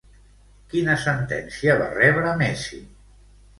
Quina sentència va rebre Messi?